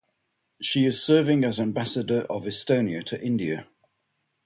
She is serving as Ambassador of Estonia to India.